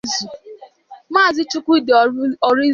Maazị Chukwudi Orizu